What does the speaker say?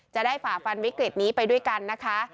ฝ่าฟันวิกฤตนี้ไปด้วยกันนะคะ